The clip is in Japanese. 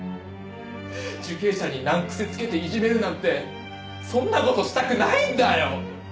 受刑者に難癖つけていじめるなんてそんな事したくないんだよ！